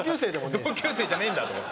同級生じゃねえんだと思って。